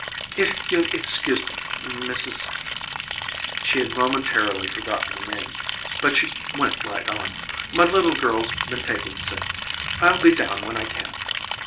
"If you'll excuse me, Mrs. " She had momentarily forgotten the name, but she went right on: "My little girl's been taken sick. I'll be down when I can."